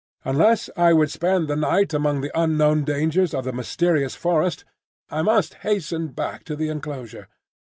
Unless I would spend the night among the unknown dangers of the mysterious forest, I must hasten back to the enclosure.